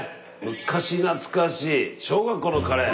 昔懐かしい小学校のカレー。